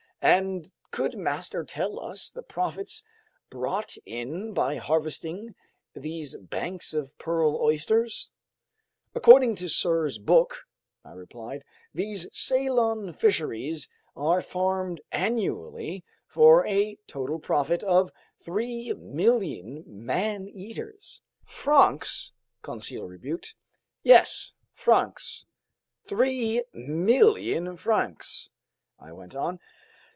And could master tell us the profits brought in by harvesting these banks of pearl oysters?" "According to Sirr's book," I replied, "these Ceylon fisheries are farmed annually for a total profit of 3,000,000 man eaters." "Francs!" Conseil rebuked. "Yes, francs! 3,000,000 francs!" I went on.